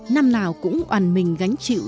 năm nào cũng oàn mình gánh chịu